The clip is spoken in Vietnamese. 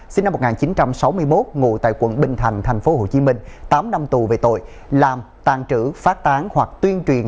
sinh năm một nghìn chín trăm sáu mươi một ngụ tại quận bình thành tp hcm tám năm tù về tội làm tàn trữ phát tán hoặc tuyên truyền